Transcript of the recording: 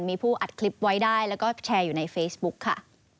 มีผู้อัดคลิปไว้ได้แล้วก็แชร์อยู่ในเฟซบุ๊กค่ะ